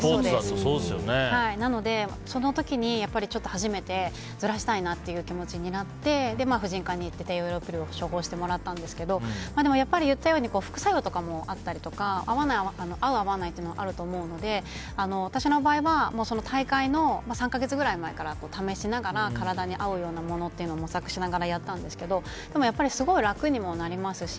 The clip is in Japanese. なので、その時に初めてずらしたいなという気持ちになって、婦人科に行って低用量ピルを処方してもらったんですけど副作用とかもあったりとか合う、合わないもあると思うので、私の場合は大会の３か月ぐらい前から試しながら体に合うようなものを模索しながらやったんですけどやっぱりすごく楽にもなりますし。